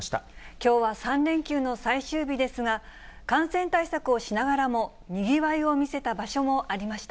きょうは３連休の最終日ですが、感染対策をしながらも、にぎわいを見せた場所もありました。